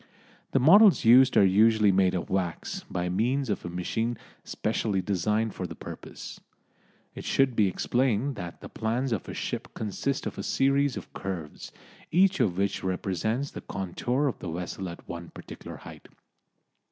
The models used are usually made of wax, by means of a machine specially designed for the purpose. It should be explained that the plans of a ship consist of a series of curves, each of which represents the contour of the vessel at one particular height.